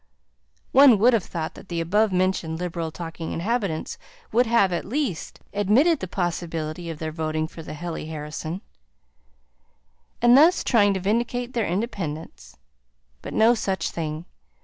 One would have thought that the above mentioned liberal talking inhabitants would have, at least, admitted the possibility of their voting for the Hely Harrison, and thus trying to vindicate their independence. But no such thing.